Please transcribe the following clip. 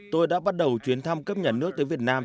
tôi đã bắt đầu chuyến thăm cấp nhà nước tới việt nam